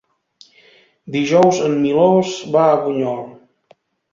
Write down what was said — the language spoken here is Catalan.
Dijous en Milos va a Bunyol.